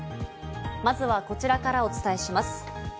まずはこちらからお伝えします。